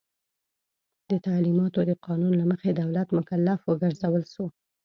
د تعلیماتو د قانون له مخي دولت مکلف وګرځول سو.